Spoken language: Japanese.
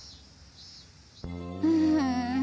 うん